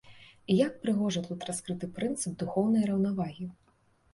І як прыгожа тут раскрыты прынцып духоўнай раўнавагі!